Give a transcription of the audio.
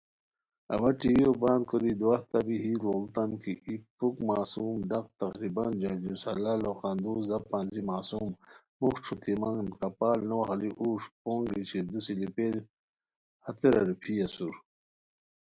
اوا ٹی ویو بند کوری دواہتہ بی لُوڑیتام کی، ای پُھک معصوم ڈق تقریباً جوش جُو سالہ ،لُوقان دُوز زپ انجی، معصوم، موخ ݯھوتیمان، کپال تو نو اخلی اوݱ ،پونگی چھیر دو سلیپر, ہتیرا روپھی اسور